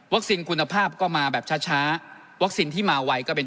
วัคซินคุณภาพก็มาแบบช้าช้าวัคซินที่มาไวคือเป็น